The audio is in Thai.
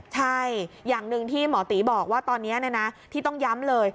ใช่อย่างหนึ่งที่หมอตีบอกว่าตอนนี้ที่ต้องย้ำเลย